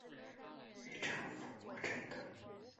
与丈夫郭政德。